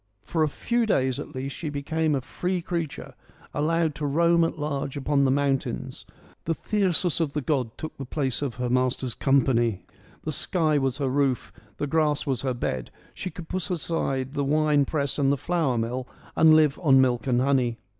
For a few days at least she became a free creature, allowed to roam at large upon the moun tains. The thyrsus of the god took the place of her master's company : the sky was her roof : the grass was her bed : she could put aside the wine press and the flour mill and live on milk and honey.